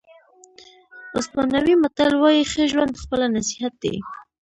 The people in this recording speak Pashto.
اسپانوي متل وایي ښه ژوند خپله نصیحت دی.